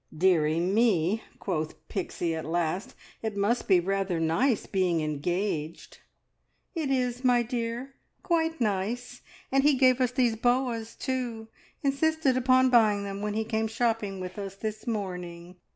"Deary me," quoth Pixie at last, "it must be rather nice being engaged." "It is, my dear. Quite nice! And he gave us these boas too, insisted upon buying them when he came shopping with us this morning.